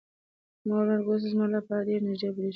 مرګ اوس زما لپاره ډېر نږدې برېښي.